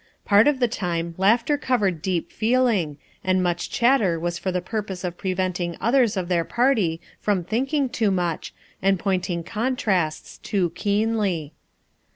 Part of the time laughter covered deep feeling, and much chat ter was for the purpose of preventing others of their party from thinking too much, and point ing contrasts too keenly.